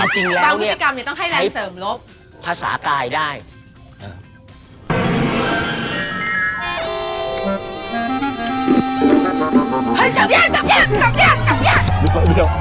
จริงแล้วเนี่ยใช้ภาษากายได้บางพฤติกรรมเนี่ยต้องให้แรงเสริมลบ